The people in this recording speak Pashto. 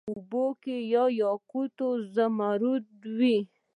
او اوبو کي به یاقوت او زمرود وي